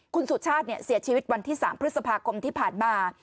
คุณสุชาติเสียชีวิตวันที่๓พฤษภาคมที่ผ่านมา